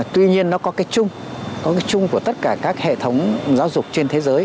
tuy nhiên nó có cái chung có cái chung của tất cả các hệ thống giáo dục trên thế giới